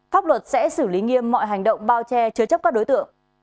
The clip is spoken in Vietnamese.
pháp luật sẽ xử lý nghiêm mọi hành động bao che chứa chấp các đối tượng